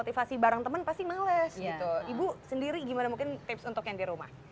motivasi bareng temen pasti males gitu ibu sendiri gimana mungkin tips untuk yang di rumah